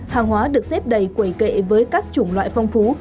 hàng hóa được xếp đầy quầy kệ với các chủng loại phong phú